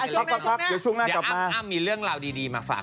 พักเดี๋ยวช่วงหน้ากลับมามีเรื่องราวดีมาฝาก